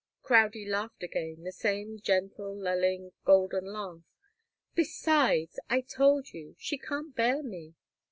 Crowdie laughed again, the same gentle, lulling, golden laugh. "Besides I told you she can't bear me."